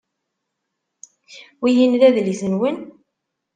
Wihin d adlis-nwen?